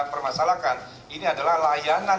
permasalahkan ini adalah layanan